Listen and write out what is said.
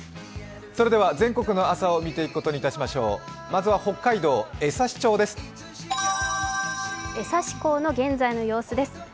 それでは全国の朝を見ていくことにしましょう、まずは北海道江差町です。